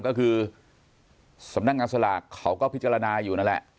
ก็คือสำนักงานสลากเขาก็พิจารณาอยู่นั่นแหละ